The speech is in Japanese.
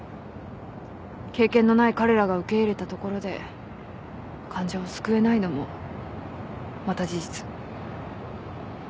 経験のない彼らが受け入れたところで患者を救えないのもまた事実。